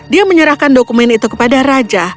dia menyerahkan dokumen itu kepada raja